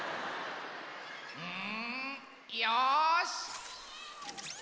うんよし！